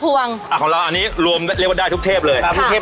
วน่ายอันนี้ได้ทุกเทพเลย